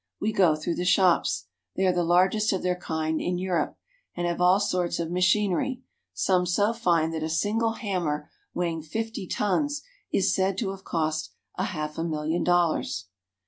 We go through the shops. They are the largest of their kind in Europe, and have all sorts of .machinery, some so fine that a single hammer weighing fifty tons is said to have cost a half million dollars.